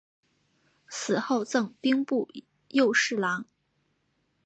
死后赠兵部右侍郎。